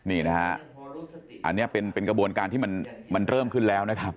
นี่นะฮะอันนี้เป็นกระบวนการที่มันเริ่มขึ้นแล้วนะครับ